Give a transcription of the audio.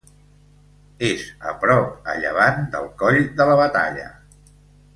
És a prop a llevant del Coll de la Batalla.